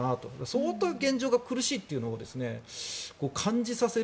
相当、現状が苦しいというのを感じさせる